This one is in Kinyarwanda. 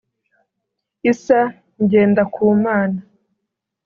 Issa Ngendakumana